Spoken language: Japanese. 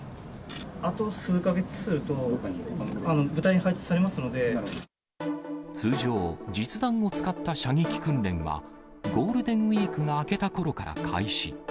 あと数か月すると、通常、実弾を使った射撃訓練は、ゴールデンウィークが明けたころから開始。